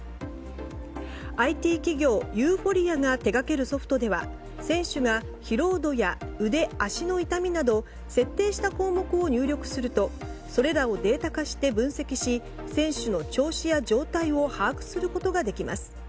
ＩＴ企業ユーフォリアが手掛けるソフトでは選手が疲労度や腕、足の痛みなど設定した項目を入力するとそれらをデータ化して分析し、選手の調子や状態を把握することができます。